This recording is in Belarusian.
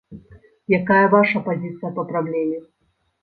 Якая ваша пазіцыя па праблеме?